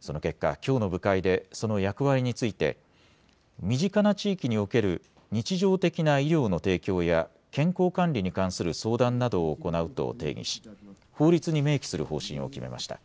その結果、きょうの部会で、その役割について、身近な地域における日常的な医療の提供や健康管理に関する相談などを行うと定義し、法律に明記する方針を決めました。